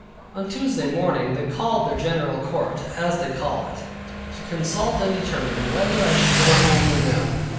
On Tuesday morning they called their general court (as they call it) to consult and determine, whether I should go home or no.